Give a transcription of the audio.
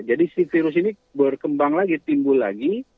jadi si virus ini berkembang lagi timbul lagi